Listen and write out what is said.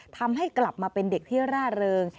ทำให้กลับมาเป็นเด็กที่ร่าเริง